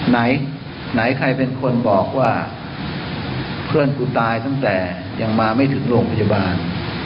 ไหนไหนใครเป็นคนบอกว่าเพื่อนกูตายตั้งแต่ยังมาไม่ถึงโรงพยาบาล